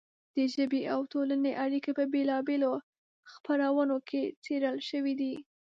د ژبې او ټولنې اړیکې په بېلا بېلو خپرونو کې څېړل شوې دي.